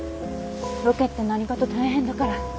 ロケって何かと大変だから。